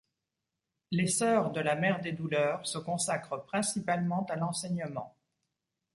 Les sœurs de la Mère des Douleurs se consacrent principalement à l'enseignement.